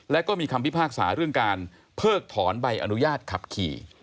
และก็มีคำพิพากษาเรื่องการเพิกถอนใบอนุญาตขับขี่